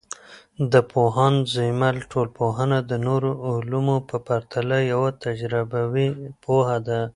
د پوهاند زیمل ټولنپوهنه د نورو علومو په پرتله یوه تجربوي پوهه ده.